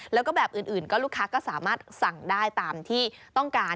แล้วก็แบบอื่นก็ลูกค้าก็สามารถสั่งได้ตามที่ต้องการ